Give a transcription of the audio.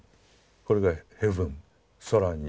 これがヘブン「空に」。